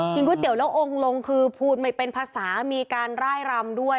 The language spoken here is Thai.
ก๋วยเตี๋ยวแล้วองค์ลงคือพูดไม่เป็นภาษามีการร่ายรำด้วย